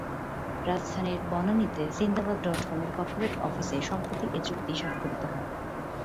রাজধানীর বনানীতে সিন্দাবাদ ডটকমের করপোরেট অফিসে সম্প্রতি এ চুক্তি স্বাক্ষরিত হয়।